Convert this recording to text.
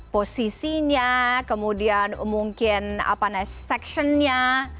posisinya kemudian mungkin apa nih seksionnya